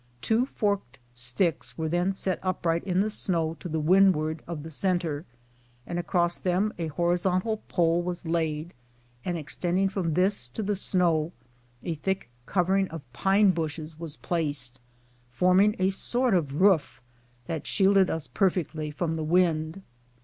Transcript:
Two forked sticks were then set upright in the snow to the windward of the centre, and across them a hor izontal pole was laid, and extending from this to the snow a thick covering of pine bushes was placed, forming a sort of roof that shielded us perfectly from the wind.